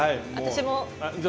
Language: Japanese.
私も。